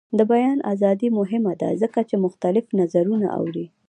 د بیان ازادي مهمه ده ځکه چې مختلف نظرونه اوري.